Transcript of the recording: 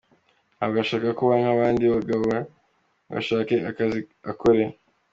Ntabwo ashaka kuba nk’abandi bagabo ngo ashake akazi akore.